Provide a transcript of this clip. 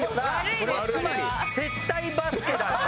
それはつまり接待バスケだった。